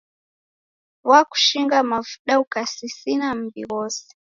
W'akushinga mavuda ukasisina mb'i ghose